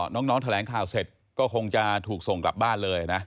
น้องแถลงข่าวเสร็จก็คงจะถูกส่งกลับบ้านเลยนะ